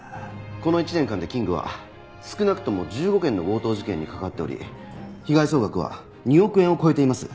この一年間でキングは少なくとも１５件の強盗事件に関わっており被害総額は２億円を超えています。